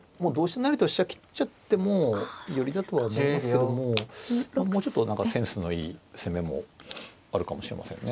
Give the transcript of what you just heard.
成と飛車切っちゃっても寄りだとは思いますけどももうちょっと何かセンスのいい攻めもあるかもしれませんね。